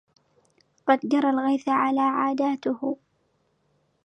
قد جرى الغيث على عاداته